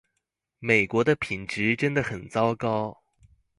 美國的品質真的很糟糕